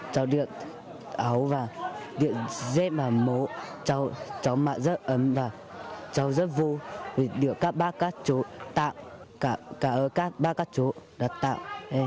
cháu đưa áo vào đưa dép vào mẫu cháu mặc rất ấm vào cháu rất vô đưa các bác các chỗ tặng các bác các chỗ đặt tặng